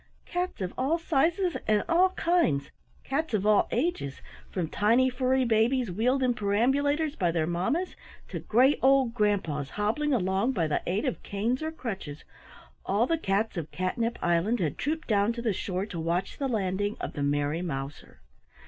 Cats of all sizes and all kinds, cats of all ages, from tiny furry babies wheeled in perambulators by their mamas to gray old grandpas hobbling along by the aid of canes or crutches all the cats of Catnip Island had trooped down to the shore to watch the landing of the Merry Mouser.